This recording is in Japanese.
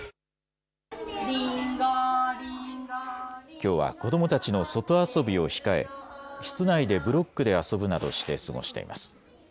きょうは子どもたちの外遊びを控え、室内でブロックで遊ぶなどして過ごしています。